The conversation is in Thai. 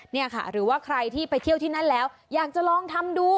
เนี่ยค่ะหรือว่าใครที่ไปเที่ยวที่นั่นแล้วอยากจะลองทำดู